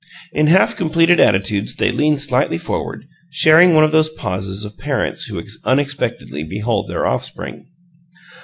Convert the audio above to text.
In half completed attitudes they leaned slightly forward, sharing one of those pauses of parents who unexpectedly behold their offspring.